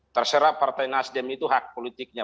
terserah partai nasdem itu hak politiknya